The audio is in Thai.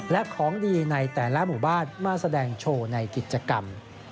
และของดีในแต่ละหมู่บ้านมาแสดงโชว์ในกิจกรรม